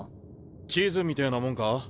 地図みてぇなもんか？